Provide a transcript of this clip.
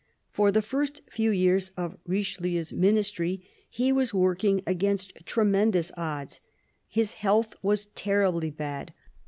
For the first few years of Richelieu's ministry he was working against tremendous odds. His health was terribly bad.